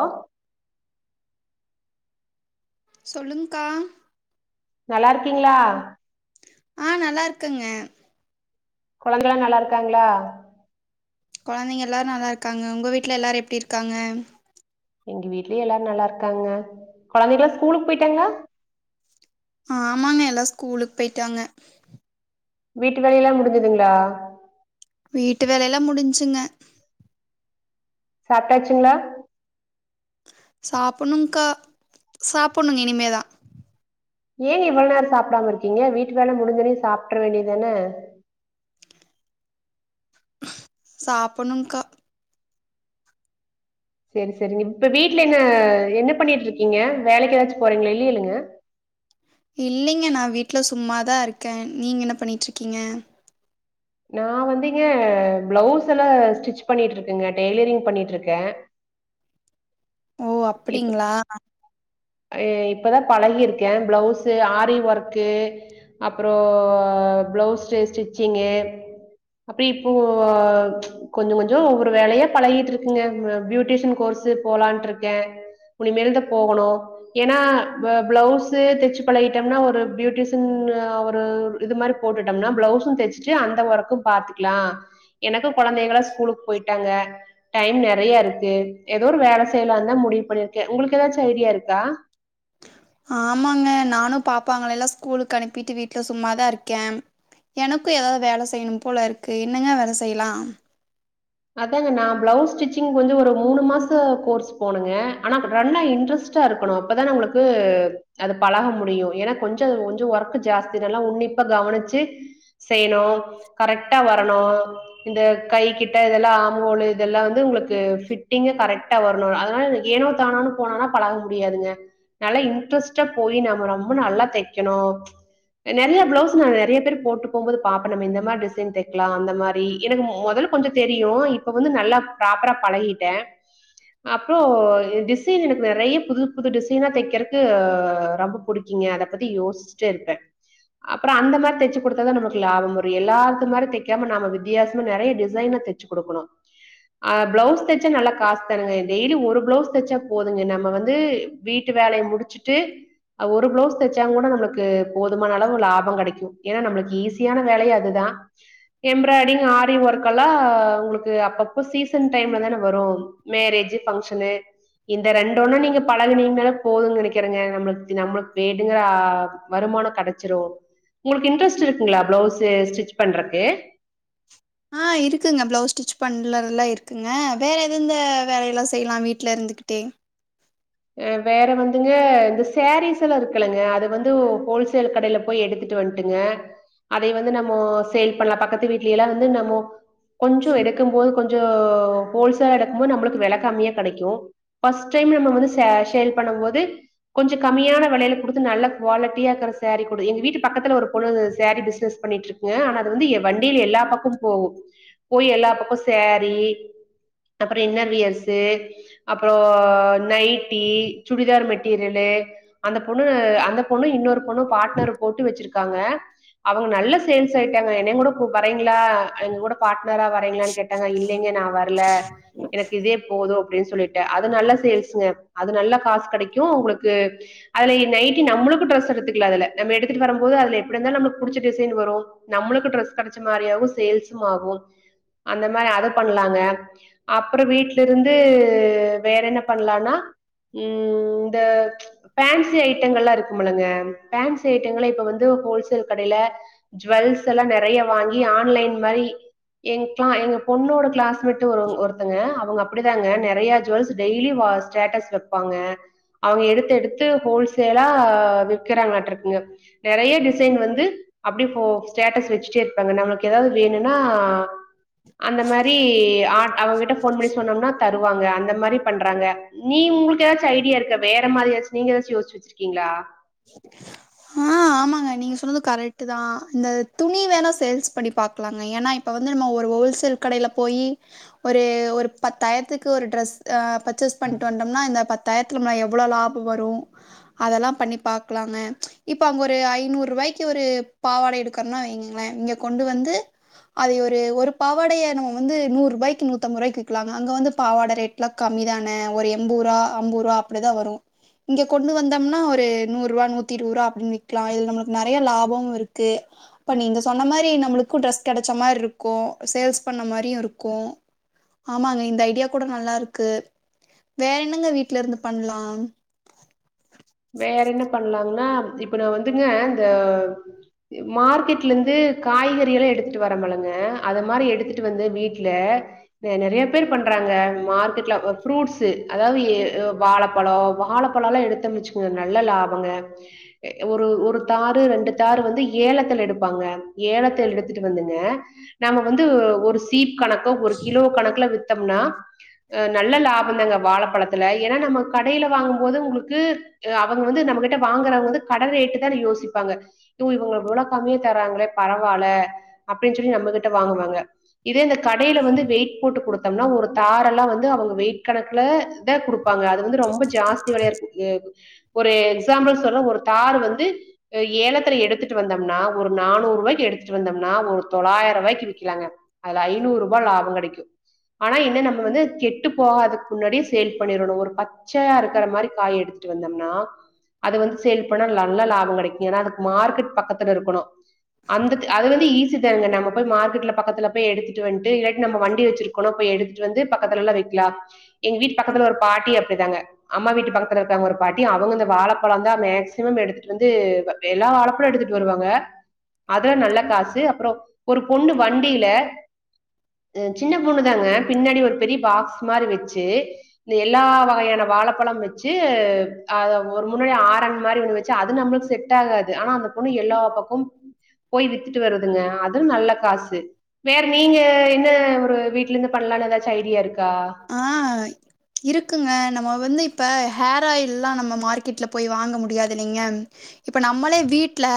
Hello சொல்லுங்க்கா நல்லா இருக்கீங்ளா ஆ நல்லா இருக்கங்க கொழந்தையெலா நல்லா இருக்காங்களா கொழந்தைங்க எல்லாரு நல்லா இருக்காங்க உங்க வீட்ல எல்லாரு எப்டி இருக்காங்க எங்க வீட்லயு எல்லாரு நல்லா இருக்காங்க கொழந்தைகெலா ஸ்கூலு போய்ட்டாங்களா ஆமாங்க எல்லா ஸ்கூலுக் போய்ட்டாங்க வீட்டு வேலயெல்லா முடிஞ்சுதுங்ளா வீட்டு வேலேலா முடிஞ்ச்சுங்க சாப்ட்டாச்சுங்ளா சாப்புணுன்க்கா சாப்புணுங்க இனிமேதா ஏ இவள நேரோ சாப்டாம இருக்கீங்க வீட்டு வேல முடிஞ்சொனியு சாப்ட்ற வேண்டிதான சாப்புணுன்க்கா சேரி சேரி நிப்ப வீட்ல என்ன என்ன பண்ணிட்ருக்கீங்க வேலைக்கு எதாச்சு போறிங்ளா இல்லையலங்க இல்லைங்க நான் வீட்ல சும்மாதா இருக்கே நீங்க என்ன பண்ணிட்ருக்கீங்க நா வந்துங்க பிளவ்ஸ் எல்லா ஸ்டிச் பண்ணீட்ருக்கங்க டெய்லரிங் பண்ணிட்ருக்கே ஓ அப்புடிங்ளா ஐயயோ இப்பதா பழகிருக்கே பிளவ்ஸு ஆரி ஒர்க்கு அப்புறோ பிளவுஸ் ஸ்டிச்சிங்கு அப்பி இப்போ கொஞ்சு கொஞ்சோ ஒவ்வொரு வேலையா பழகிட்ருக்குங்க நா பியூடீஷியன் கோர்ஸு போலான்ட்ருக்கே முனிமேல் தா போகணு ஏனா ப்ப பிளவ்ஸு தெச்சு பழகிட்டம்னா ஒரு பியூட்டிஷன் ஒரு இது மாரி போட்டுட்டம்னா பிளவ்ஸும் தச்சுட்டு அந்த ஒர்க்கும் பாத்துக்லா எனக்கு கொழந்தைகளா ஸ்கூலுக்கு போயிட்டாங்க டைம் நெறையா இருக்கு எதோ ஒரு வேல செய்லான்தா முடிவ் பண்ணிர்க்கே உங்ளுக்கு எதாச்சு ஐடியா இருக்கா ஆமாங்க நானு பாப்பாங்களய்லா ஸ்கூலுக் அனுப்பிட்டு வீட்ல சும்மாதா இருக்கே எனக்கு எதாது வேல செய்யணும் போல இருக்கு என்னங்க வேல செய்லா அதாங்க நா பிளவ்ஸ் ஸ்டிச்சிங் வந்து ஒரு மூணு மாச கோர்ஸ் போனங்க ஆனா ரன்னா இன்ட்ரெஸ்ட்டா இருக்குணு அப்பதா நம்முளுக்கு அது பழக முடியு ஏனா கொஞ்ச கொஞ்சு ஒர்க்கு ஜாஸ்தி நல்லா உன்னிப்பா கவனிச்சு செய்யணு கரெக்ட்டா வரணு இந்த கை கிட் ட இதெல்லா ஆம்ஹோலு இதெல்லா வந்து உங்ளுக்கு ஃபிட்டிங்கு கரைட்டா வர்னு அதுனால ஏனோ தானோனு போனனா பழக முடியாதுங்க நல்லா இன்ட்ரஸட்டா போயி நாம ரொம்ப நல்லா தைக்கணு அ நெறியா பிளவ்ஸுங்க நெறைய பேர் போட்டு போம்போது பாப்ப நம்ம இந்த மார் டிசைன் தைக்லா அந்த மாரி எனக்கு மொதலு கொஞ்ச தெரியு இப்ப வந்து நல்லா ப்ராப்பரா பழகீட்ட அப்றோ டிசைன் எனக்கு நெறைய புது புது டிசைனா தைக்கறக்கு ரொம்ப புடிக்கிங்க அத பத்தி யோசிச்சுட்டே இருப்பே அப்றோ அந்த மாரி தச்சு குடுத்தாதா நம்ளுக்கு லாபம் வரு எல்லார்த்த மாரி தைக்காம நாம வித்தியாசமா நெறைய டி சைனா தச்சு குடுக்குணு ஆஹ் பிளவ்ஸ் தச்சா நல்லா காஸ் தானுங்க டெய்லி ஒரு பிளவ்ஸ் தைச்சா போதுங்க நம்ம வந்து வீட்டு வேலய முடிச்சுட்டு அவ் ஒரு பிளவ்ஸ் தச்சாங்கூட நம்ளுக்கு போதுமான அளவு லாபொ கெடைக்கு ஏனா நம்ளுக் ஈஸியான வேலை அதுதா எம்ராய்டிங் ஆரி ஒர்க் கலா உங்ளுக்கு அப்பப்ப சீசன் டைம்ல தான வரு மேரேஜு பங்க்ஷனு இந்த ரெண்டுனா நீங்க பழகுனீங்னால போது நெனைக்குறங்க நம்ளுக்தி நமளுக் வேணுங்கற ஆஹ் வருமானோ கெடச்சிரு உங்களுக்கு இன்ட்ரெஸ்ட் இருக்குங்லா பிளவ்ஸு ஸ்டிச் பண்றக்கு ஆஹ் இருக்குங்க பிளவ்ஸ் ஸ்டிச் பண்ணலர்லா இருக்குங்க வேற எது இந்த வேலையெல்லா செய்லா வீட்ல இருந்துகிட்டே அஹ் வேற வந்துங்க இந்த சாரீஸ் எல்லா இருக்குலங்க அது வந்து ஒ ஹோல்சேல் கடைல்ல போய் எடுத்துட்டு வன்ட்டுங்க அதை வந்து நம்மோ சேல் பண்லா பக்கத்து வீட்லேலா வந்து நமோ கொஞ்சோ எடுக்கும் போது கொஞ்சோ ஹோல்சேல எடுக்குமோது நம்ளுக்கு வெல கம்மியா கடைக்கு ஃபஸ்ட் டைம் நம்ம வந்து சா சேல் பண்ணமோது கொஞ்ச கம்மியான வெலைல குடுத்து நல்லா குவாலட்டியா இர்க்கற சாரி குடு எங்க வீட்டு பக்கத்துல ஒரு பொன்னு இருந்தது சாரி பிஸ்னஸ் பண்ணிட்ருக்குங்க ஆனா அது வந்து எ வண்டில எல்லா பக்கமு போகு போய் எல்லா பக்கோ சாரி அப்பறோ இன்னர்வியர்ஸு அப்றோ நை ட்டி சுடிதார் மெட்டீர்யல்லு அந்த பொண்ணு அந்த பொண்ணு இன்னொரு பொன்னு பார்ட்னரு போட்டு வச்சிருக் காங்க அவங்க நல்ல சேல்ஸ் ஆய்ட்டாங்க என்னயங் கூட கூப் வரேன் லா எங்கு கூட பார்ட்னரா வரேங்ளான் கேட்டாங்க இல்லைங்க நா வர்ல எனக் இதே போதும் அப்டின்னு சொல்லிட்டு அது நல்லா சேல்ஸுங்க அது நல்லா காசு கெடைக்கு உங்களுக்கு அதுல நைட்டி நம்மளுக்கு ட்ரெஸ் எடுத்துக்கலா அதுல நம்ம எடுத்துட்டு வரம் போது அதுல எப்டி இருந்தாலும் நம்மளுக்கு புடிச்ச டிசைன் வரும் நம்மளுக்கு ட்ரெஸ் கெடைச்ச மாரி ஆகு சேல்ஸும் ஆகும் அந்த மாரி அத பண்ணலாங்க அப்ற வீட்டுல இருந்து வேற என்ன பண்லானா உம் இந்த ஃபேன்சி ஐட்டங்கள் எல்லா இருக்குமல்லங்க ஃபேன்சி ஐட்டங்கள இப்ப வந்து ஹோல்சேல் கடையில ஜுவல்ஸ் எல்லா நறைய வாங்கி ஆன்லைன் மாரி எங்குக்லா எங்க பொண்ணோட கிளாஸ் ட்டு ஒருத்தங்க அப் அவங்க அப்டிதாங்க நிறைய ஜுவல்ஸ் டெய்லி வாஸ் ஸ்டேட்டஸ் வ ப்பாங்க அவங்க எடுத்து எடுத்து ஹோல்சேலா விக்கிறாங்களாட்டு இருக்குங்க நறைய டிசைன் வந்து அப்படி போ ஸ்டேட்டஸ் வச்சுட்டே இருப்பாங்க நம்மளுக்கு ஏதாவது வேணுனா அந்த மாதிரி ஆ அவகிட்ட ஃபோன் பண்ணி சொன்னோம்னா தரு ருவாங்க அந்த மாதிரி பண்றாங்க நீ உங்களு ஏதாச்சி ஐடியா இருக்க வேற மாதிரி எதாச்சு நீங்க எதாச்சு யோசிச்சு வச்சுருக்கீங்ளா ஆஹ் ஆமாங்க நீங்க சொன்னது கரெக்ட் தா இந்த துணி வேணா சேல்ஸ் பண்ணி பாக்கலாங்க ஏன்னா இப்ப வந்து நம்ம ஒரு ஹோல்சேல் கடையில போயி ஒரு ஒரு பத்தாயிரத்துக்கு ஒரு ட்ரெஸ் அஹ் பர்ச்சஸ் பண்ணிட்டு வந்தோம்னா இந்த பத் தாயரத்துல எவ்வளோ லாப வரும் அதெல்லாம் பண்ணி பாக்லாமே இப்ப அங்க ஒரு ஐநூறு ரூவாய்க்கு ஒரு பாவாடை எடுக்கறனு வைங்களே இங்க கொண்டு வந்து அது ஒரு ஒரு பாவாடைய நம்ம வந்து நூறு ரூபாய்க்கு நூத்தம்பது ரூபாய்க்கு விக்கலாங்க அங்க வந்து பாவாடை ரேட்லாம் கம்மிதானே ஒரு எம்பது ருவா ஐம்பது ருவா அப்டிதா வரு இங்க கொண்டு வந்தோம்னா ஒரு நூறுவா நூத்தி இருபது ரூவா அப்படின்னு விக்லா இது நமளுக்கு நறையா லாபமு இருக்கு அப்ப நீங்க சொன்ன மாரி நம்மளுக்கு ட்ரெஸ் கெடைச்ச மாரி இருக்கு சேல்ஸ் பண்ண மாரியு இருக்கு ஆமாங்க இந்த ஐடியா கூட நல்லா இருக்கு வேற என்னங்க வீட்டுல இருந்து பண்லா வேற என்ன பண்ணலாங்ன்னா இப்ப நா வந்துங்க இந்த மார்க்கெட்ல இருந்து காய்கறி எல்லாம் எடுத்துட்டு வர மலங்க அது மாரி எடுத்துட்டு வந்து வீட்டுல நறையா பேர் பண்றாங்க மார்க்கெட்ல ஃப்ரூட்ஸ் அதாவது வாழப்பழ வாழப்பழல்லா எடுத்தம்ன் வச்சுக்குங் நல்ல லாபங்க ஒரு ஒரு தாரு ரெண்டு தாரு வந்து ஏலத்துல எடுப்பாங்க ஏலத்துல எடுத்துட்டு வந்துங்க நாம வந்து ஒரு சீப் கணக்கு ஒரு கிலோ கணக்குல வித் பாத்தோம்னா அ நல்ல லாபம்தாங்க வாழப்பழத்துல ஏன்னா நம்ம கடையில வாங்கும் போது உங்களுக்கு அவங்க வந்து நம்ம கிட்ட வாங்குறவங்க வந்து கட ரேட்டு தான் யோசிப்பாங்க இ இவங்க இவ்வளவுகம்மியா தராங்களே பரவால அப்டின்னு சொல்லி நம்மகிட்ட வாங்குவாங்க இதே இந்த கடையில வந்து வெயிட் போட்டு கொடுத்து தம்னா ஒரு தாரல்லா வந்து அவ்ங்க வெயிட் கணக்ல இத குடுக் பாங்க அது வந்து ரொம்ப ஜாஸ்தி வெலயாருக்கு ஏ ஒரு எக்ஸாம்பிள் சொல்ற ஒரு தாரு வந்து ஏலத்துல எடுத்துட்டு வந்தம்னா ஒரு நானூறுவாய்க்கு எடுத்துட்டு வந்தம்னா ஒரு தொளாயிர்வாய்க்கு விக்கிலாங்க அதுல ஐநூறுபா லாபங்கெடக்கு ஆனா என்ன நம்ம வந்து கெட்டு போகாதுக் முன்னடியே சேல் பண்ணிரணு ஒரு ப சயா இருக்கறமரி காய் எடுத் வந்தம்னா அத வந்து சேல் பண்ணா நல்ல லாபங்கடைக்கு ஏன்னா அதுக் மார்க்கட் பக்கத்துல இருக்குணு அந்தது அது வந்து ஈ தாங்க நம்ம போய் மார்க்கட்ல பக்கத்துல பே எடுத்துட்டு வந் டு இல்லாட்டி நம்ம் வண்டி வச்சிருக்கோனா போய் எடுத்துட்டு வந்து பக்கத்துலல்லா வெக்லா எங்க வீட்டு பக்கத்ல ஒரு பாட்டி அப்டிதாங்க அம்மா வீட்டு பக்கத்துல காங்க ஒரு பாட்டி அவங்க இந்த வாழப்பழநதா மேக்சிமம் எடுத்துட்டு வந்து எல்லா வாழப்பழ எடுத்துட்டு வருவாங்க அதுல நல்ல காசு அப்றோ ஒரு பொண்ணு வண்டில அ சின்ன பொண்ணு தாங்க பின்னாடி ஒரு பெரிய பாக்ஸ் மாரி வெச்சு இந்த எல்லா வகையான வாழப்பழ வெச் அத ஒரு முன்னடி ஆறண் மாரி ஒன்னு வச்சு அது நம்புளுக்கு செட் ஆகாது ஆனா அந்த பொண்ணு எல்லா பக்கு போய் வித்துட்டு வருதுங்க அதுவு நல்ல காசு வேற் நீங்க என்ன ஒரு வீட்லேந்து பண்லான்னு எதாச்சு ஐடியா இருக் ஆ இருக்குங்க நம்ம வந்து இப்ப ஹேர் ஆயில்லா நம்ம மார்க்கெட்ல போய் வாங்க முடியாதுல்லைங்க இப்போ நம்மளே வீட்ல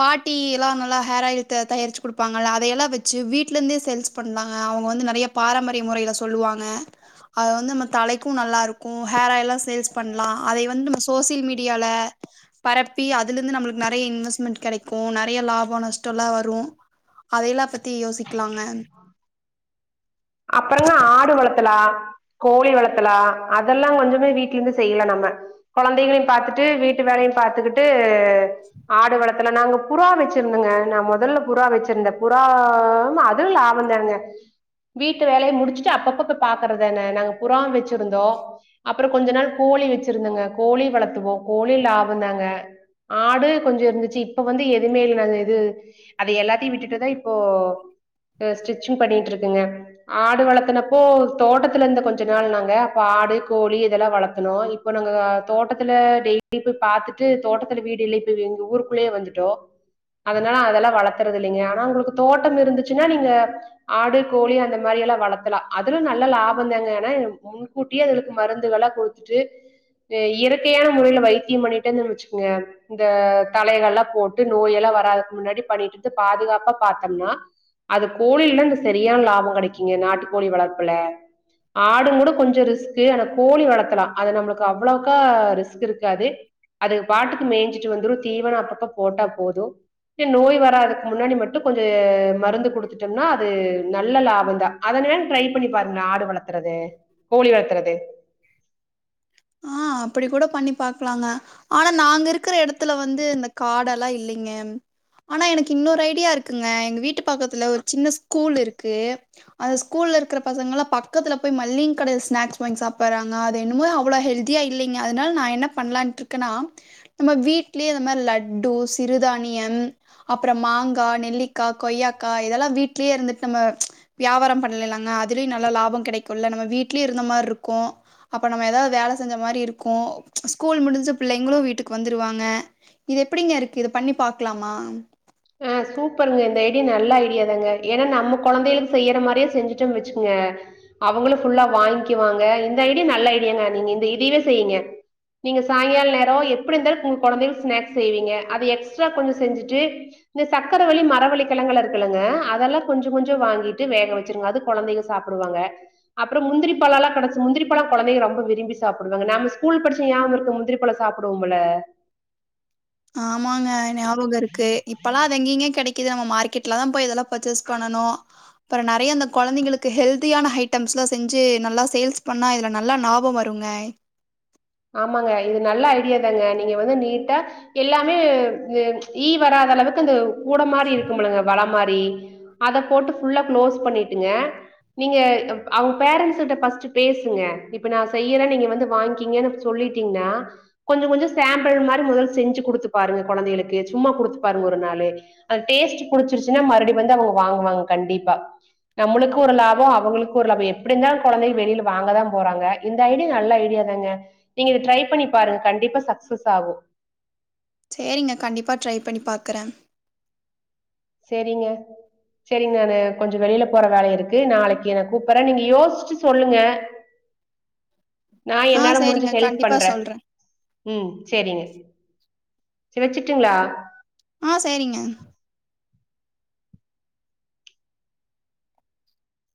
பாட்டி எல்லா நல்லா ஹேர் ஆயில் த தயார்ச்சு குடுப்பாங்கள அதையெல்லா வெச்சு வீட்டுலேந்தே சேல்ஸ் பண்ணாங்க அவ்ங்க வந்து நறைய பாரம்பரிய முறைல சொல்லுவாங்க அது வந்து நம்ம தலைக்கு நல்லாருக்கு ஹேர் ஆயில்லா சேல்ஸ் பண்லா அதை வந்து நம்ம சோசியல் மீடியால பரப்பி அதுலருந்து நம்ளுக்கு நெறைய இன்வெஸ்ட்மென்ட் கெடைக்கு நெறைய லாபோ நஷ்டோல்லா வரு அதையெல்லா பத்தி யோசி அப்பறங்க ஆடு வளத் தலா கோழி வளத்தலா அதெல்லா கொஞ்சமே வீட்லருந்து செய்யலா நம்ம கொழந்தைகளையு பாத்துட்டு வீட்டு வேலையு பாத்துக்கிட்டு ஆடு வளத்துல நாங்க புறா வெச்சிருந்தங்க நா மொதல்ல புறா வெச்சிருந்தே புறா ம் அது [unintelligible] லாபந்தானுங்க வீட்டு வேலய முடிச்சுட்டு அப்பப்ப போய் பாக்கற தான நாங்க புறா வெச்சிருந்தோ அப்பறோ கொஞ்ச நாள் கோழி வெச்சிருந்தங்க கோழி வளத்துவோ கோழி லாபந்தாங்க ஆடு கொஞ்ச இருந்துச்சு இப்ப வந்து எதுமே இல்ல நாங்க இது அது எல்லாத்தையு விட்டுட்டுதா இப்போ அ ஸ்டிச்சிங் பண்ணிட்ருக்கங்க ஆடு வளத்தனப்போ தோட்டத்துல இருந்த கொஞ்ச நாள் நாங்க அப்ப ஆடு கோழி இதெல்லா வளத்துனோ இப்போ நாங்க தோட்டத்துல டெய்லி போய் பாத்துட்டு தோட்டத்துல வீடு இல்ல இப்ப இவி எங்க ஊருக்குள்ளேயே வந்துட்டோ அதனால அதெல்லா வளத்தறதில்லீங்க ஆனா உங்களுக்கு தோட்டம் இருந்துச்சு [unintelligible] நீங்க ஆடு கோழி அந்த மாரி எல்லா வளத்தலா அதுலு நல்ல லாபந்தாங்க ஆனா முன்கூட்டியே அதுகளுக் மருந்துகல்லா குடுத்துட்டு எ இயற்கையான முறைல வைத்தியம் பண்ணிட்டே இருந்தம்ன் வச்சுக்ங்க இந்த தழைகள்லா போட்டு நோய் எல்லா வராதுக்கு முன்னாடி பண்ணிட்ருந்து பாதுகாப்பா பாத்தம்னா அது கோழில அந்த சரியான லாபோ கெடைக்கிங்க நாட்டு கோழி வளர்ப்புல ஆடுங்கூட கொஞ்ச ரிஸ்கு ஆனா கோழி வளத்தலா அது நம்மளுக்கு அவ்ளவுக்கா ரிஸ்க் இருக்காது அது பாட்டுக்கு மேஞ்சிட்டு வந்துரு தீவனோ அப்பப்ப போட்டா போது ஏ நோய் வராதுக்கு முன்னாடி மட்டு கொஞ்ச மருந்து குடு குடுத்துட்டம்ன்னா அது நல்ல லாபந்தா அத [unintelligible] வேண் ட்ரை பண்ணி பாருங்க ஆடு வளத் தறது கோழி வளத்தறது ஆ அப்படி கூட பண்ணி பாக்கலாங்க ஆனா நாங்க இருக்கற எடத்துல வந்து இந்த காடெல்லா இல்லீங்க ஆனா எனக்கு இன்னோரு ஐடியா இருக்குங்க எங்க வீட்டு பக்கத்துல ஒரு சின்ன ஸ்கூல் இருக்கு அந்த ஸ்கூல்ல இருக்கற பசங்கலா பக்கத்துல போய் மல்லிங்கடைல ஸ்நாக்ஸ் வாங்கி சாப்பறாங்க அது என்னமோ அவ்ளோ ஹெல்தியா இல்லீங்க அதுனால் நா என்ன பண்ணலான்ட்டு இருக்கேன்னா நம்ம வீட்லயே இந்த மாரி லட்டு சிறுதானியம் அப்பறோ மாங்கா நெல்லிக்கா கொய்யாக்கா இதெல்லா வீட்லயே இருந்துட் நம்ம வியாபாரோ பண்லிலாங்க அதுலயு நல்ல லாபோ கெடைக் குள்ள நம்ம வீட்லயு இருந்த மார்ருக்கு அப்ப நம்ம எதாது வேல செஞ்ச மாரி இருக்கு ஸ்கூல் முடிஞ்சு பிள்ளைங்களு வீட்டுக்கு வந்துருவாங்க இது எப்படிங்க இருக்கு இது பண்ணி பாக்லாமா ஆஹ் சூப்பர்ங்க இந்த ஐடியா நல்ல ஐடியா தாங்க ஏனா நம்ம கொழந்தைகளுக் செய்யற மாரியே செஞ்சுட்டம் வச்சுக்ங்க அவங்களு ஃபுல்லா வாங்க்கிவாங்க இந்த ஐடியா நல்ல ஐடியாங்க நீங்க இந்த இதைவே செய்ங்க நீங்க சாய்ங்கால நேரோ எப்பிடி இருந்தாலு உங்க கொழந்தைகளுக்கு ஸ்நாக்ஸ் செய்வீங்க அது எக்ஸ்ட்ரா கொஞ்ச செஞ்சுட்டு இந்த சக்கரவள்ளி மரவள்ளி கெழங்கல்லா இருக்குல்லுங்க அதெல்லா கொஞ்சோ கொஞ்சோ வாங்கிட்டு வேக வச்சிருங்க அது கொழந்தைங்க சாப்டுவாங்க அப்பறோ முந்திரி பழோல்லா கெடைச்சு முந்திரிப்பழோ கொழந்தைங்க ரொம்ப விரும்பி சாப்டுவாங்க நாம ஸ்கூல் படிச்சு ஞாம் இருக்கா முந்திரிப்பழோ சாப்புடுவோம்ல்ல ஆமாங்க ஞாபகோ இருக்கு இப்பல்லா அது எங்கீங்க கெடைக் கி இது நம்ம மார்க்கெட்ல தா போய் இதெல்லா பர்ச்சேஸ் பண்ணனு அப்றோ நறைய இந்த கொழந்தைங்களுக்கு ஹெல்தியான ஹைட்டம்ஸ்லா செஞ்சு நல்லா சேல்ஸ் பண்ணா இதுல நல்லா லாபோ வருங்க ஆமாங்க இது நல்ல ஐடியா தாங்க நீங்க வந்து நீட்டா எல்லாமே இது ஈ வராத அளவுக்கு அந்த கூட மாரி இருக்கும்ல வல மாரி அத போட்டு ஃபுல்லா க்ளோஸ் பண்ணிட்டுங்க நீங்க அப் அவங் பேரன்ட்ஸுட்ட ஃபஸ்ட்டு பேசுங்க இப்ப நா செய்யறே நீங்க வந்து வாங்க்கிங்கன்னு சொல்லிட்டீங்னா கொஞ்ச கொஞ்ச சேம்பிள் மாரி முதல் செஞ்சு குடுத்து பாருங்க கொழந்தைகளுக்கு சும்மா குடுத்து பாருங்க ஒரு நாளு அந்த டேஸ்ட் புடுச்சிருச்சுன்னா மறுபடி வந்து அவங்க வாங்குவாங் கண்டிப்பா நம்மளுக்கு ஒரு லாபோ அவங்களுக்கு ஒரு லாபோ எப்டி இருந்தாலு கொழந்தைங்க வெளில வாங்க தா போறாங்க இந்த ஐடியா நல்ல ஐடியா தாங்க நீங்க இத ட்ரை பண்ணி பாருங் கண்டிப்பா சக்சஸ் ஆகு சேரிங்க கண்டிப்பா ட்ரை பண்ணி பாக்கறே செரிங்க செரிங் நானு கொஞ்சோ வெளில போற வேலயிருக்கு நாளைக்கு நா கூப்பர்றே நீங்க யோசிச்சு சொல்லுங்க நா ஆ என்னால முடிஞ்ச சரிங்க. ஹெல்ப் கண்டிப்பா பண்றே சொல்றேன். ம் சேரிங்க சேரி வெச்சுட்டுங்ளா ஆஹ் சேரிங்க